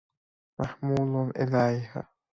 محمول الیه